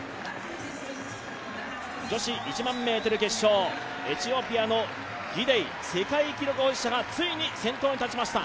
女子１００００ｍ決勝、エチオピアのギデイ、世界記録保持者がついに先頭に立ちました。